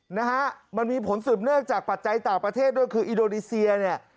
นะฮะมันมีผลสืบเนื่องจากปัจจัยต่างประเทศด้วยคืออินโดนีเซียเนี่ย